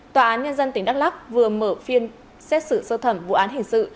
tòa án nhân dân tỉnh đắk lắc vừa mở phiên xét xử sơ thẩm vụ án hình sự